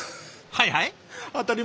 はいはい？